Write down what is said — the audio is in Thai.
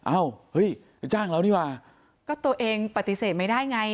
เอ้าเฮ้ยไปจ้างเรานี่ว่ะก็ตัวเองปฏิเสธไม่ได้ไง